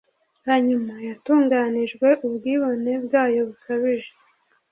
Hanyuma yatunganijwe ubwibone bwayo bukabije.